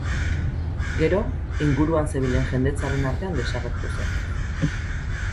Gero inguruan zebilen jendetzaren artean desagertu zen.